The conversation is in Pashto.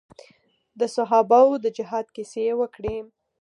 د صحابه وو د جهاد کيسې يې وکړې.